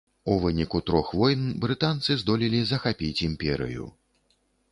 У выніку трох войн брытанцы здолелі захапіць імперыю.